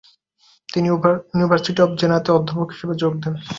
তিনি university of জেনাতে অধ্যাপক হিসেবে যোগ দেন।